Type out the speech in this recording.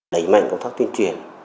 đẩy mạnh công tác tuyên truyền